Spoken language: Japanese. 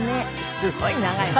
すごい長いね。